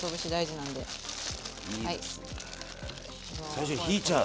最初ひいちゃう。